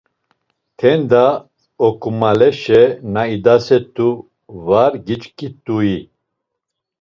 Tenda Okumaleşe na idaset̆u var giçkit̆ui?